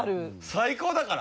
最高だから！